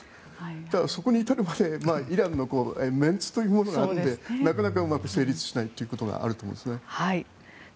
ただそこに至るまでイランのメンツというものがあってなかなかうまく成立しないということがあると思うんです。